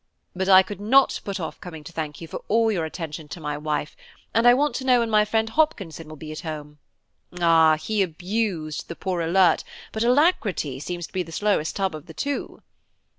"But I could not put off coming to thank you for all your attention to my wife; and I want to know when my friend Hopkinson will be at home? Ah! he abused the poor old Alert, but the Alacrity seems to be the slowest tub of the two."